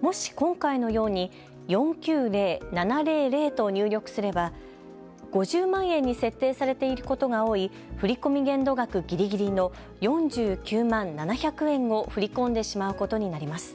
もし、今回のように４９０７００と入力すれば５０万円に設定されていることが多い、振込限度額ぎりぎりの４９万７００円を振り込んでしまうことになります。